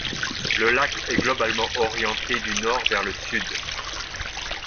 Le lac est globalement orienté du nord vers le sud.